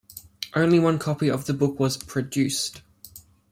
Only one copy of the book was produced.